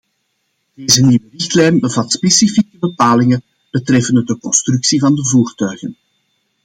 Deze nieuwe richtlijn bevat specifieke bepalingen betreffende de constructie van de voertuigen.